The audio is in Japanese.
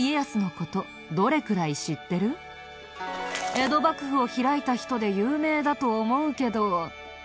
江戸幕府を開いた人で有名だと思うけど。